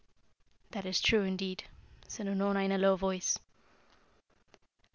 "That is true, indeed," said Unorna in a low voice.